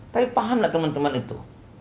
tapi paham nggak teman teman itu